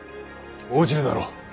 応じるだろう。